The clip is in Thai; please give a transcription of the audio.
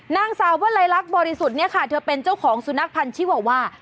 นางสาววลัยลักษณ์บริสุทธิ์เนี่ยค่ะเธอเป็นเจ้าของสุนัขพันธ์ชิวาว่า